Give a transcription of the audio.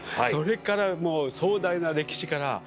それからもう壮大な歴史から。